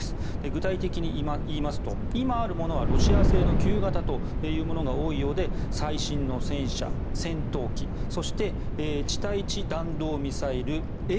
具体的に言いますと今あるものはロシア製の旧型の物が多いようで最新の戦車、戦闘機そして、地対地弾道ミサイルＡＴＡＣＭＳ